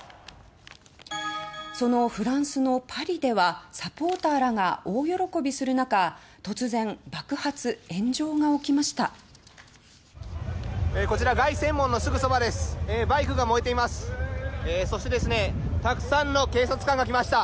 そのフランスのパリではサポーターらが大喜びする中突然、爆発・炎上が起きました。